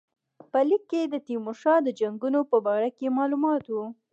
په لیک کې د تیمورشاه د جنګونو په باره کې معلومات وو.